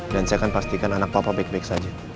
dan saya akan pastikan anak papa baik baik saja